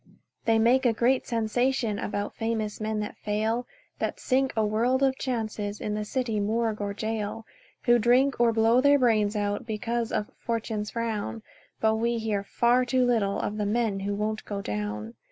They make a great sensation About famous men that fail, That sink a world of chances In the city morgue or gaol, Who drink, or blow their brains out, Because of "Fortune's frown". But we hear far too little Of the men who won't go down.